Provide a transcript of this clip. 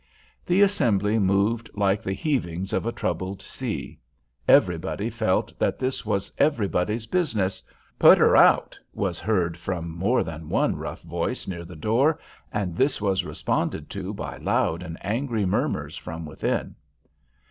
The assembly moved like the heavings of a troubled sea. Everybody felt that this was everybody's business. "Put her out!" was heard from more than one rough voice near the door, and this was responded to by loud and angry murmurs from within.